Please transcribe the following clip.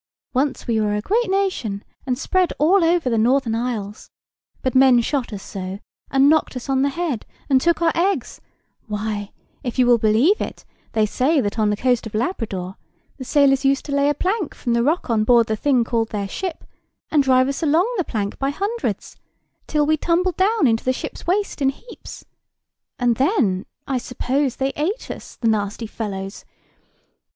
Once we were a great nation, and spread over all the Northern Isles. But men shot us so, and knocked us on the head, and took our eggs—why, if you will believe it, they say that on the coast of Labrador the sailors used to lay a plank from the rock on board the thing called their ship, and drive us along the plank by hundreds, till we tumbled down into the ship's waist in heaps; and then, I suppose, they ate us, the nasty fellows!